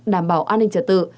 đảm bảo an ninh trả tự